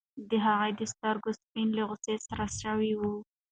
د هغه د سترګو سپین له غوسې سره شوي وو.